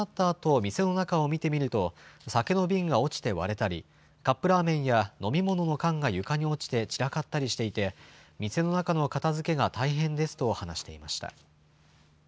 あと店の中を見てみると酒の瓶が落ちて割れたり、カップラーメンや飲み物の缶が床に落ちて散らかったりしていて店の中の片づけが大変ですと話していました。